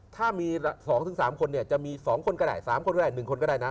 ถ้ามี๒๓คนเนี่ยจะมี๒คนก็ได้๓คนก็ได้๑คนก็ได้นะ